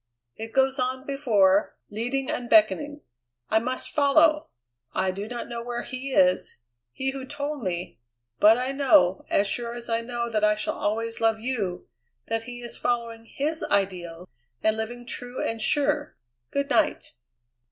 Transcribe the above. It goes on before, leading and beckoning. I must follow. I do not know where he is, he who told me, but I know, as sure as I know that I shall always love you, that he is following his ideal, and living true and sure. Good night."